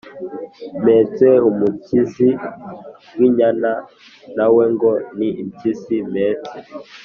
Mpetse umukizi w' inyana na we ngo ni impyisi mpetse?"